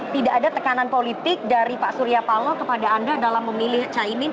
tidak ada tekanan politik dari pak surya paloh kepada anda dalam memilih caimin